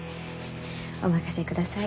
お任せください。